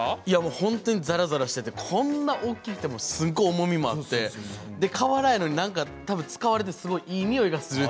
本当にざらざらしていてこんなに大きくて重みもあって瓦やのに使われていいにおいがする。